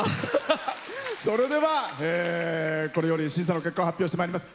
それでは、これより審査の結果を発表してまいります。